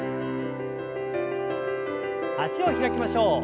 脚を開きましょう。